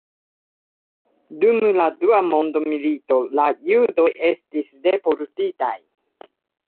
Dum la dua mondmilito la judoj estis deportitaj.